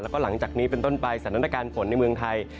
แล้วก็หลังจากนี้เป็นต้นไปสถานการณ์ฝนในเมืองไทย